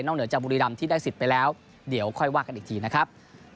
เหนือจากบุรีรำที่ได้สิทธิ์ไปแล้วเดี๋ยวค่อยว่ากันอีกทีนะครับ